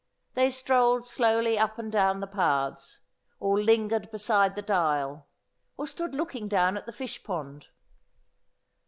They strolled slowly up and down the paths ; or lingered beside the dial ; or stood looking down at the fish pond.